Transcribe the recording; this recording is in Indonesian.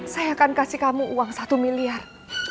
saya akan kasih kamu uang satu miliar